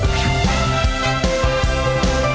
แอร์โหลดแล้วคุณล่ะโหลดแล้ว